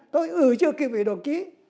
tôi ừ chưa kịp để đồng chí